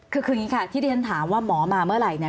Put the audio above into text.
คืออย่างนี้ค่ะที่ที่ฉันถามว่าหมอมาเมื่อไหร่เนี่ย